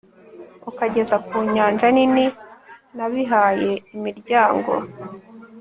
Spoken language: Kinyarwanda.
ukageza ku nyanja nini nabihaye imiryango